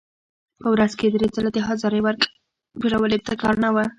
په ورځ کې درې ځله د حاضرۍ ورکولو مجبورول ابتکار نه و.